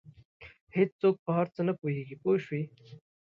هېڅوک په هر څه نه پوهېږي پوه شوې!.